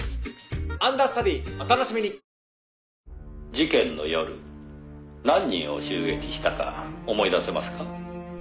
「事件の夜何人を襲撃したか思い出せますか？」